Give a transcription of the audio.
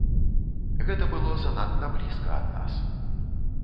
Гэта было занадта блізка ад нас.